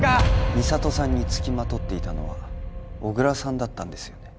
美里さんにつきまとっていたのは小倉さんだったんですよね？